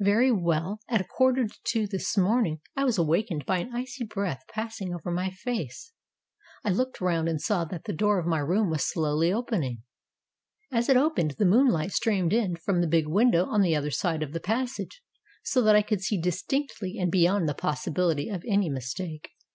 "Very well. At a quarter to two this morning I was awakened by an icy breath passing over my face. I looked round and saw that the door of my room was slowly opening. As it opened the moonlight streamed in from the big window on the other side of the passage, so that I could see distinctly and beyond the possibility of any mistake.